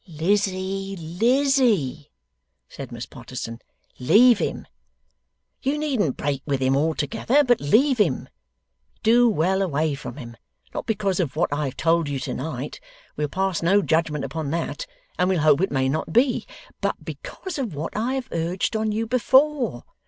'Lizzie, Lizzie,' said Miss Potterson. 'Leave him. You needn't break with him altogether, but leave him. Do well away from him; not because of what I have told you to night we'll pass no judgment upon that, and we'll hope it may not be but because of what I have urged on you before.